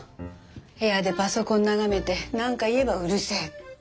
部屋でパソコン眺めて何か言えば「うるせえ」。